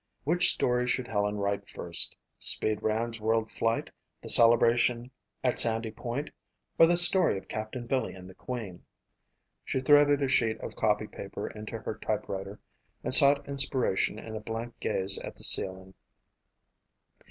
Which story should Helen write first, "Speed" Rand's world flight, the celebration at Sandy Point or the story of Captain Billy and the Queen? She threaded a sheet of copy paper into her typewriter and sought inspiration in a blank gaze at the ceiling.